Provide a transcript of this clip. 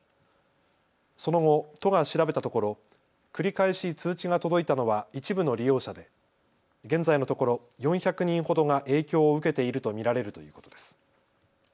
その後、都が調べたところ繰り返し通知が届いたのは一部の利用者で現在のところ４００人ほどが影響を受けていると見られるということです。